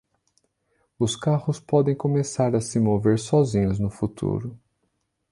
Os carros podem começar a se mover sozinhos no futuro.